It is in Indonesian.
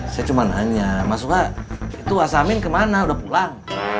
saya cuma nanya mas suha itu wasamin kemana udah pulang